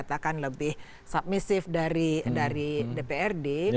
mungkin dikatakan lebih submissive dari dprd